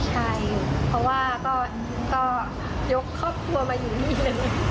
ใช่เพราะว่าก็ยกครอบครัวมาอยู่ที่หนึ่ง